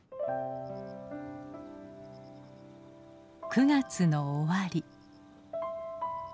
９月の終わり。